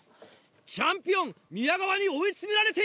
チャンピオン宮川に追い詰められている！